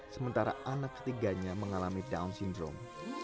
sementara anak ketiganya mengalami down syndrome